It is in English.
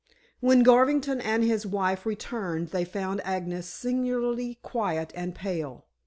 When Garvington and his wife returned they found Agnes singularly quiet and pale.